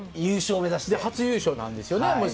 初優勝なんですよね。